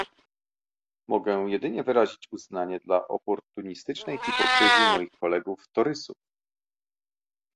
Mogę jedynie wyrazić uznanie dla oportunistycznej hipokryzji moich kolegów torysów